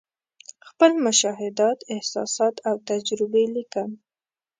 خپل مشاهدات، احساسات او تجربې لیکم.